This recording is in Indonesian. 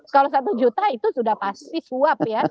kalau satu juta itu sudah pasti suap ya